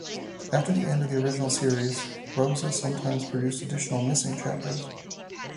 After the end of the original series, Rosa sometimes produced additional "missing" chapters.